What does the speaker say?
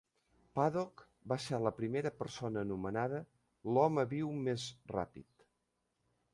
Paddock va ser la primera persona anomenada "l'home viu més ràpid".